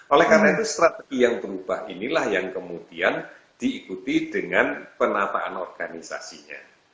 oleh karena itu strategi yang berubah inilah yang kemudian diikuti dengan penataan organisasinya